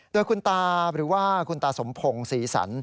โดยคุณตาหรือว่าคุณตาสมพงศ์ศรีสัน